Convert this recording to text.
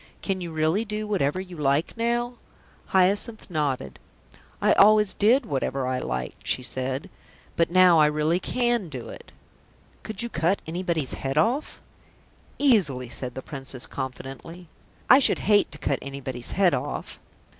"Can you really do whatever you like now?" Hyacinth nodded. "I always did whatever I liked," she said, "But now I really can do it." "Could you cut anybody's head off?" "Easily," said the Princess confidently. "I should hate to cut anybody's head off."